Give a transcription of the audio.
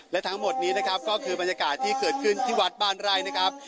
และทั้งหมดนี้นะครับก็คือบรรยากาศที่เกิดขึ้นที่วัดบ้านไร่นะครับ